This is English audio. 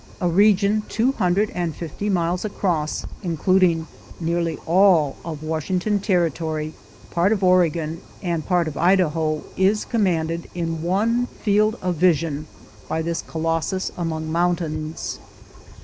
A region two hundred and fifty miles across, including nearly all of Washington Territory, part of Oregon, and part of Idaho, is commanded in one field of vision by tnis colossus among mountains.